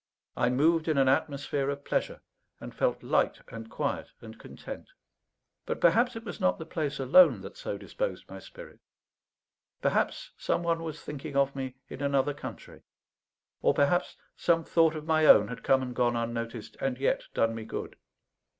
I moved in an atmosphere of pleasure, and felt light and quiet and content. But perhaps it was not the place alone that so disposed my spirit. Perhaps some one was thinking of me in another country; or perhaps some thought of my own had come and gone unnoticed, and yet done me good.